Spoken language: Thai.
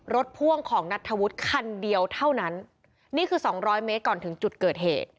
พ่วงของนัทธวุฒิคันเดียวเท่านั้นนี่คือสองร้อยเมตรก่อนถึงจุดเกิดเหตุ